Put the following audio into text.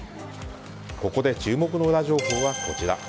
ここで注目のウラ情報はこちら。